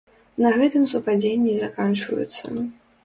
На гэтым супадзенні заканчваюцца.